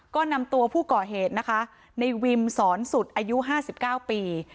ก็นำตัวผู้ก่อเหตุนะคะในวิมสอนสุดอายุ๕๙ปี